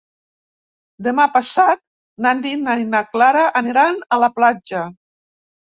Demà passat na Nina i na Clara aniran a la platja.